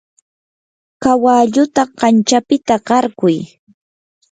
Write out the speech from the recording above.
kawalluta kanchapita qarquy.